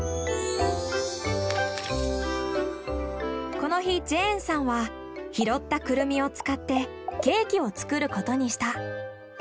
この日ジェーンさんは拾ったクルミを使ってケーキを作ることにした。